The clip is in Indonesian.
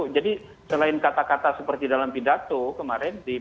jadi selain kata kata seperti dalam pidato kemarin di rekenas pdi perjuangan